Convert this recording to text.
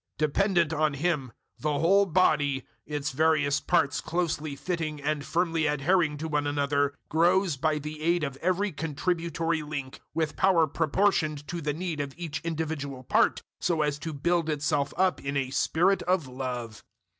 004:016 Dependent on Him, the whole body its various parts closely fitting and firmly adhering to one another grows by the aid of every contributory link, with power proportioned to the need of each individual part, so as to build itself up in a spirit of love.